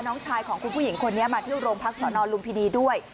น้องชายของคุณผู้หญิงคนนี้มาที่โรงพักสอนอนลุมพินีด้วย